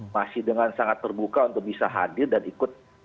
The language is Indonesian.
masih dengan sangat terbuka untuk bisa hadir dan ikut